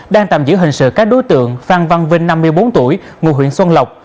đang tạm giữ hình sự các đối tượng phan văn vinh năm mươi bốn tuổi ngụ huyện xuân lộc